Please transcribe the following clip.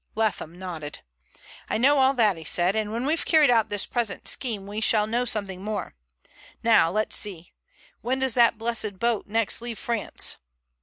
Leatham nodded. "I know all that," he said, "and when we've carried out this present scheme we shall know something more. Now let's see. When does that blessed boat next leave France?"